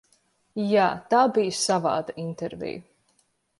Jā, tā bija savāda intervija.